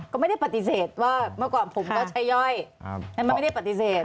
ก็ไม่ได้ปฏิเสธว่าเมื่อก่อนผมก็ใช้ย่อยแต่มันไม่ได้ปฏิเสธ